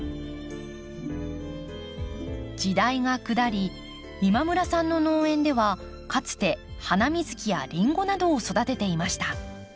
時代が下り今村さんの農園ではかつてハナミズキやリンゴなどを育てていました。